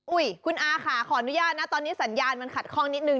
คุณอาค่ะขออนุญาตนะตอนนี้สัญญาณมันขัดข้องนิดนึ